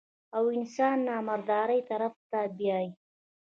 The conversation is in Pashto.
او انسان نامردۍ طرف ته بيائي -